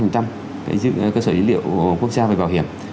cơ sở dữ liệu quốc gia về bảo hiểm